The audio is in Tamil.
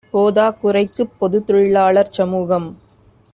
போதாக் குறைக்குப் பொதுத்தொழிலா ளர்சமுகம்